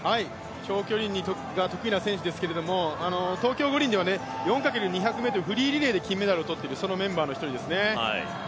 長距離が得意な選手ですけれども、東京五輪では４×２００ｍフリーリレーでメダルをとっている、そのメンバーですね。